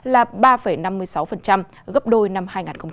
là ba năm mươi sáu gấp đôi năm hai nghìn hai mươi